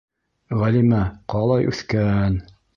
— Ғәлимә, ҡалай үҫкә-ән.